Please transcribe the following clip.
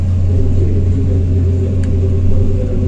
এটি ব্যাংক ব্যবস্থা কিংবা অনুমোদিত মাধ্যম দিয়ে আনার ব্যবস্থা নেওয়া হবে।